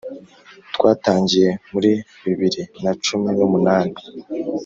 Twatangiye muri bibiri na cumi n’umunani,